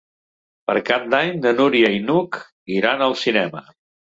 Per Cap d'Any na Núria i n'Hug iran al cinema.